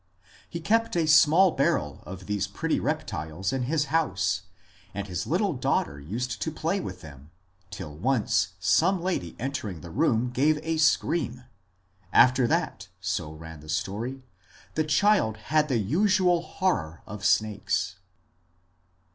He kept a small barrel of these pretty reptiles in his house, and his little daughter used to play with them, till once some lady entering 50 MONCURE DANIEL CONWAY the room gave a scream. After that, so ran the story, the child had the usual horror of snakes.